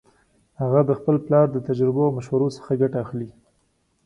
هغه د خپل پلار د تجربو او مشورو څخه ګټه اخلي